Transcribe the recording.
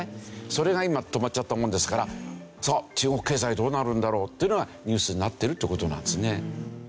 それが今止まっちゃったもんですからさあ中国経済どうなるんだろう？というのがニュースになってるっていう事なんですね。